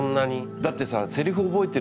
だってさ。